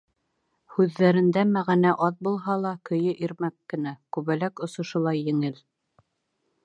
Һүҙҙәрендә мәғәнә аҙ булһа ла, көйө ирмәк кенә, күбәләк осошолай еңел.